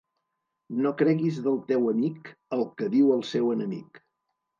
No creguis del teu amic, el que diu el seu enemic.